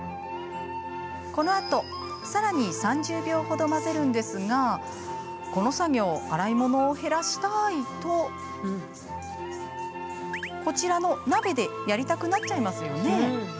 このあと更に３０秒ほど混ぜるんですがこの作業洗い物を減らしたいとこちらの鍋でやりたくなっちゃいますよね。